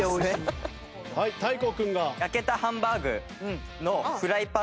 はい大光君が。